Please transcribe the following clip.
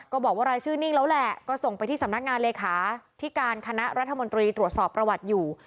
บอกว่ารายชื่อนิ่งแล้วแหละก็ส่งไปที่สำนักงานเลขาที่การคณะรัฐมนตรีตรวจสอบประวัติอยู่